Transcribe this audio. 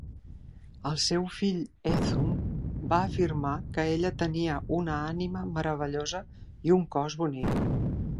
El seu fill Hethum va afirmar que ella tenia una ànima meravellosa i un cos bonic.